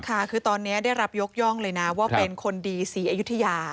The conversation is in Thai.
ค่ะคือตอนนี้ได้รับยกย่องเลยนะว่าเป็นคนดีศรีอยุธยา